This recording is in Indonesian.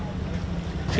seperti yang di sini